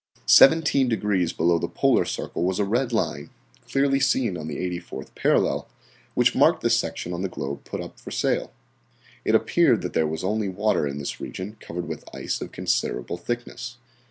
Seventeen degrees below the Polar Circle was a red line, clearly seen on the 84th parallel, which marked the section on the globe put up for sale. It appeared that there was only water in this region covered with ice of considerable thickness.